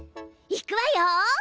いくわよ。